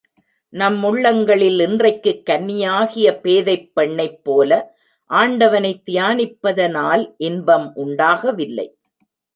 நம் உள்ளங்களில் இன்றைக்குக் கன்னியாகிய பேதைப் பெண்ணைப் போல ஆண்டவனைத் தியானிப்பதனால் இன்பம் உண்டாகவில்லை.